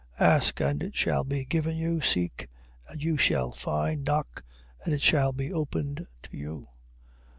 7:7. Ask, and it shall be given you: seek, and you shall find: knock, and it shall be opened to you.